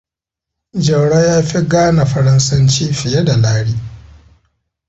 Jauro ya fi gane faransanci fiye da Lare.